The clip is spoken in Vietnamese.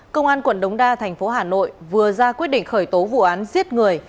công an quận đống đa thành phố hà nội vừa ra quyết định khởi tố vụ án giết người